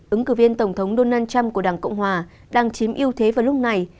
ứng cử viên tổng thống donald trump của đảng cộng hòa đang chiếm ưu thế vào lúc này